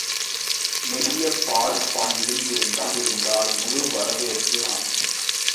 நெடிய பார்வையும் இருந்திருந்தால் முழு வரவேற்பு அளிக்கலாம்.